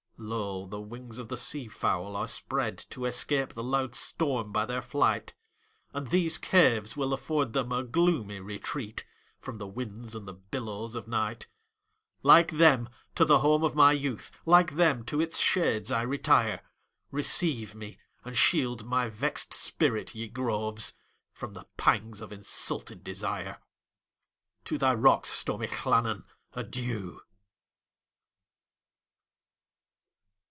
Lo! the wings of the sea fowl are spreadTo escape the loud storm by their flight; And these caves will afford them a gloomy retreatFrom the winds and the billows of night; Like them, to the home of my youth, Like them, to its shades I retire; Receive me, and shield my vexed spirit, ye groves, From the pangs of insulted desire! To thy rocks, stormy Llannon, adieu!